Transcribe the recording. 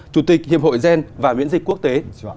chủ tịch hiệp hội gen và miễn dịch quốc tế